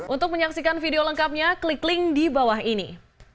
untuk menyaksikan video lengkapnya klik link di bawah ini